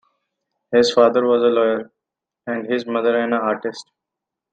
His father was a lawyer, and his mother an artist.